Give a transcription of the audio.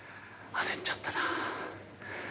焦っちゃったな。